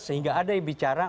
sehingga ada yang bicara